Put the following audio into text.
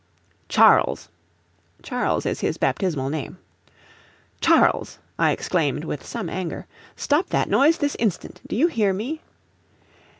"Charles" (Charles is his baptismal name), "Charles," I exclaimed with some anger, "stop that noise this instant! Do you hear me?"